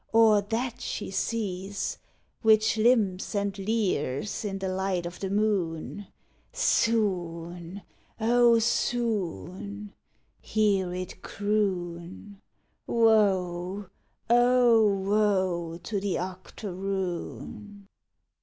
Or That she sees, Which limps and leers in the light o' the moon? "Soon, oh, soon," hear it croon, "_Woe, oh, woe to the octoroon!